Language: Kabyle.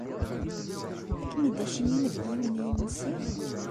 Ad kem-id-asen yinebgiwen i yimensi?